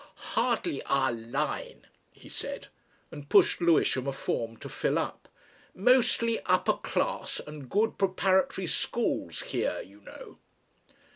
"Hardly our line," he said, and pushed Lewisham a form to fill up. "Mostly upper class and good preparatory schools here, you know."